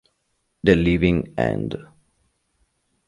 The Living End